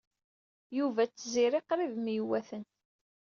Yuba d Tiziri qrib myewwaten.